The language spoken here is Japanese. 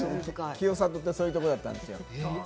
清里ってそういうとこだったんですよ。